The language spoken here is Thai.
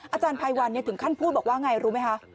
อาจารย์ไพรวัลถึงขั้นพูดบอกว่าอย่างไรรู้ไหมคะ